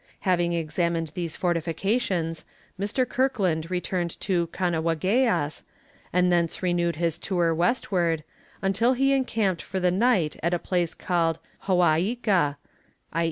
Having examined these fortifications, Mr. Kirkland returned to Kanawageas, and thence renewed his tour westward, until he encamped for the night at a place called Joàika, (i.